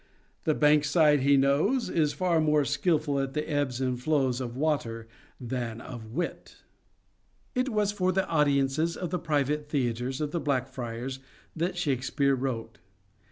The Bankside he knows Is far more skilful at the ebbs and flows Of water, than of wit. SHAKESPEAREAN THEATRES 21 It was for the audiences of the private theatres of The Black Friars that Shakespeare wrote.